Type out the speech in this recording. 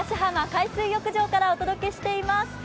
海水浴場からお届けしています。